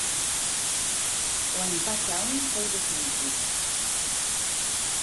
O empate a un foi definitivo.